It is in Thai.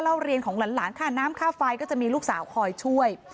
เล่าเรียนของหลานค่าน้ำค่าไฟก็จะมีลูกสาวคอยช่วย